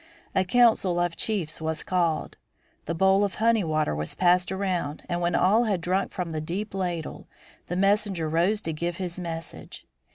A council of chiefs was called. The bowl of honey water was passed around and when all had drunk from the deep ladle, the messenger rose to give his message.